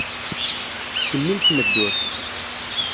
Tettkemmil tmeddurt.